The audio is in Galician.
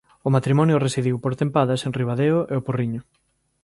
O matrimonio residiu por tempadas en Ribadeo e O Porriño.